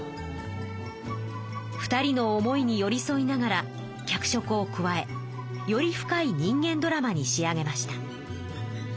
２人の思いに寄りそいながら脚色を加えより深い人間ドラマに仕上げました。